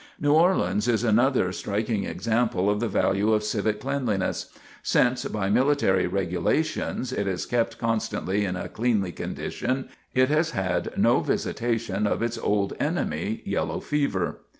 New Orleans is another striking example of the value of civic cleanliness. Since, by military regulations, it is kept constantly in a cleanly condition, it has had no visitation of its old enemy, yellow fever.